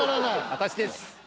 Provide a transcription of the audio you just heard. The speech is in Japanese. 私です。